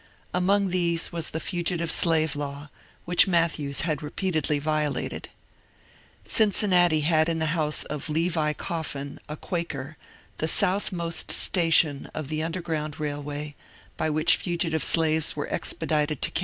Among these was the Fugitive Slave Law, which Matthews had repeatedly violated. Cincinnati had in the house of Levi Coffin, a Quaker, the southmost station of the ^^Underground Railway," by which fugitive slaves were expedited to Canada, and in this work Matthews had assisted.